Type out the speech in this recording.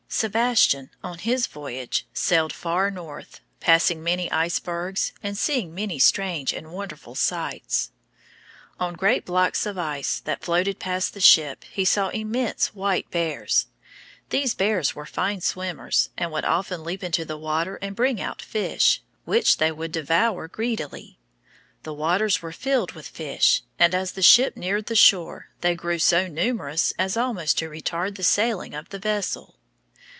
Sebastian on his voyage sailed far north, passing many icebergs, and seeing many strange and wonderful sights. On great blocks of ice that floated past the ship he saw immense white bears. These bears were fine swimmers, and would often leap into the water and bring out fish, which they would devour greedily. The waters were filled with fish, and, as the ship neared the shore, they grew so numerous as almost to retard the sailing of the vessel.